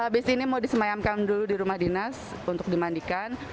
habis ini mau disemayamkan dulu di rumah dinas untuk dimandikan